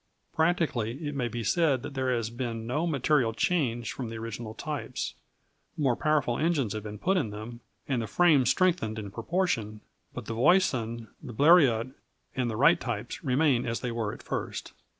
Practically, it may be said that there has been no material change from the original types. More powerful engines have been put in them, and the frames strengthened in proportion, but the Voisin, the Bleriot, and the Wright types remain as they were at first.